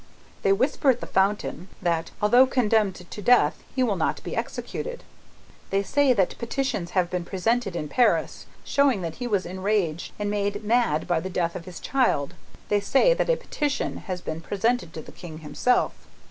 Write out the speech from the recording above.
They whisper at the fountain, that although condemned to death he will not be executed; they say that petitions have been presented in Paris, showing that he was enraged and made mad by the death of his child; they say that a petition has been presented to the King himself.